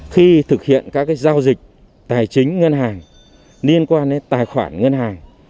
khi thực hiện các giao dịch tài chính ngân hàng liên quan đến tài khoản ngân hàng